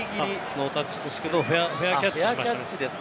ノータッチですけれど、フェアキャッチ。